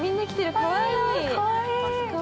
◆かわいい。